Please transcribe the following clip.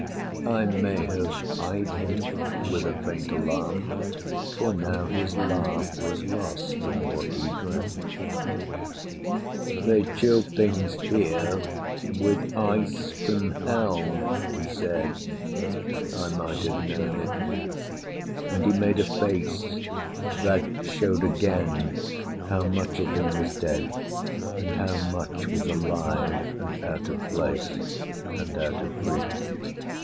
I may have eyed him with a faint alarm, For now his laugh was lost in what he drank. "They chill things here with ice from hell," he said; "I might have known it." And he made a face That showed again how much of him was dead, And how much was alive and out of place, And out of reach.